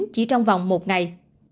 chỉ trong vòng một ngày